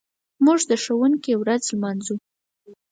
موږ د ښوونکي ورځ لمانځو.